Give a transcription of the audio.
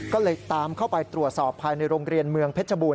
ก็เลยตามเข้าไปตรวจสอบภายในโรงเรียนเมืองเพชรบูร